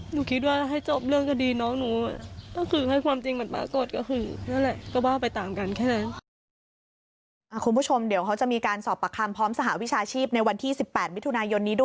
หนูคิดว่าให้จบเรื่องก็ดีน้องหนูถ้าคือให้ความจริงมันปรากฏก็คือนั่นแหละก็ว่าไปตามกันแค่นั้น